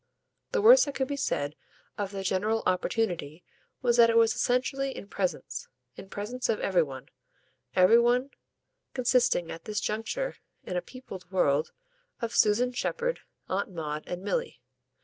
The worst that could be said of their general opportunity was that it was essentially in presence in presence of every one; every one consisting at this juncture, in a peopled world, of Susan Shepherd, Aunt Maud and Milly.